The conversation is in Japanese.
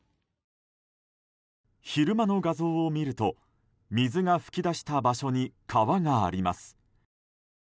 昼間の画像を見ると、水が噴き出した場所に川があります。